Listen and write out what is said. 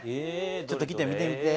ちょっと来て見てみて。